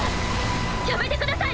やめてください！